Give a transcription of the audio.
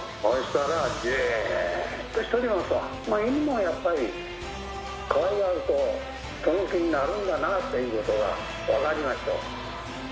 犬もやっぱりかわいがるとその気になるんだなということが分かりました。